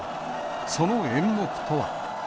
その演目とは。